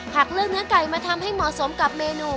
หากเลือกเนื้อไก่มาทำให้เหมาะสมกับเมนู